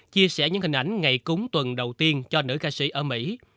chia sẻ những hình ảnh ngày cúng tuần đầu tiên cho nữ ca sĩ ở mỹ